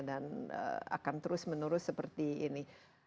dan akan terus menerus seperti ini